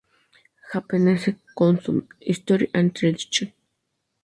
Japanese Costume: History and Tradition.